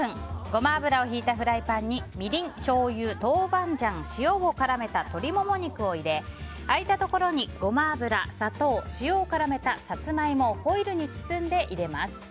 ゴマ油をひいたフライパンにみりん、しょうゆ、豆板醤塩を絡めた鶏モモ肉を入れ空いたところに、ゴマ油、砂糖塩を絡めたサツマイモをホイルに包んで入れます。